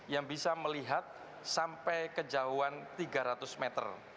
yang bisa melihat sampai kejauhan tiga ratus meter